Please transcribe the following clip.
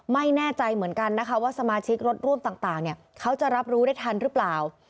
ไม่แน่ใจเหมือนกันนะคะว่าสมาชิกรถร่วมต่างเขาจะรับรู้ได้ทันหรือเปล่า